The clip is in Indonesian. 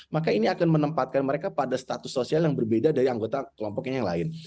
maka ini akan menempatkan mereka pada status sosial yang berbeda dari anggota kelompoknya yang lain